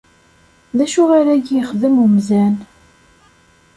D acu ara iyi-ixdem umdan?